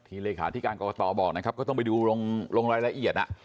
เลขาธิการกรกตบอกนะครับก็ต้องไปดูลงรายละเอียด